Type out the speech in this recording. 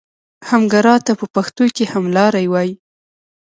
همګرا ته په پښتو کې هملاری وایي.